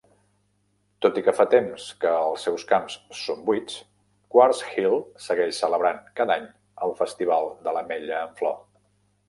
Tot i que fa temps que els seus camps són buits, Quartz Hill segueix celebrant cada any el festival de l'ametlla en flor.